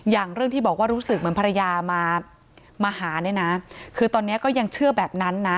อย่างเรื่องที่บอกว่ารู้สึกเหมือนภรรยามาหาเนี่ยนะคือตอนนี้ก็ยังเชื่อแบบนั้นนะ